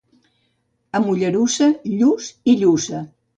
A Mollerussa, lluç i lluça.